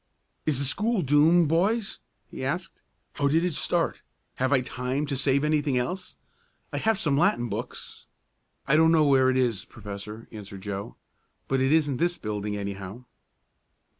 "Is the school doomed, boys?" he asked. "How did it start? Have I time to save anything else? I have some Latin books " "I don't know where it is, Professor," answered Joe. "But it isn't this building, anyhow."